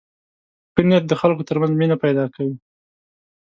ښه نیت د خلکو تر منځ مینه پیدا کوي.